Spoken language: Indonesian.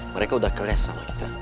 mereka udah keras sama kita